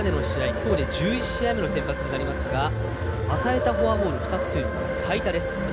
きょうで１１試合目の先発になりますが与えたフォアボール２つというのが最多です。